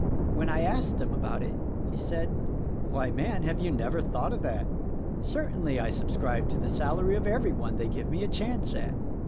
When I asked him about it he said, 'Why, man, have you never thought of that? Certainly, I subscribe to the salary of every one they give me a chance at.